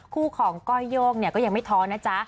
คู่ของก้อยโย่งก็ยังไม่ท้อนะจ๊ะ